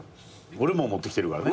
俺も持ってきてるからね。